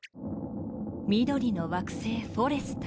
緑の惑星フォレスタ。